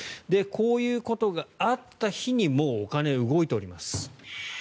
こういうことがあった日にもうお金が動いております。